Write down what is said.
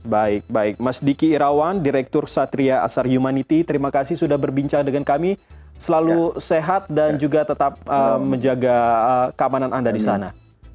baik baik mas diki irawan direktur satria asar humanity terima kasih sudah berbincang dengan kami selalu sehat dan juga tetap menjaga keamanan anda di sana